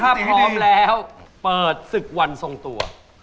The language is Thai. ถ้าพร้อมแล้วเปิดศึกวันทรงตัว